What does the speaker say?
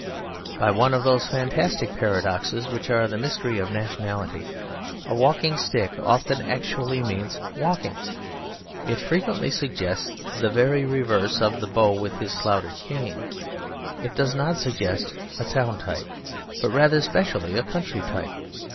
By one of those fantastic paradoxes which are the mystery of nationality, a walking stick often actually means walking. It frequently suggests the very reverse of the beau with his clouded cane; it does not suggest a town type, but rather specially a country type.